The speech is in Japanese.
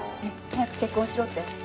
早く結婚しろって？